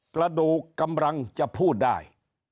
กระดูกกำลังจะพูดได้